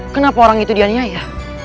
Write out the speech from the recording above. kenapa orang itu dianiaya